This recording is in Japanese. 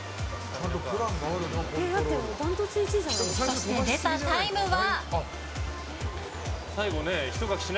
そして、出たタイムは？